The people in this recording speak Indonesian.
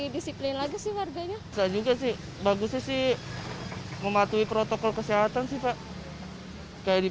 disiplin lagi sih warganya enggak juga sih bagusnya sih mematuhi protokol kesehatan sih pak kayak di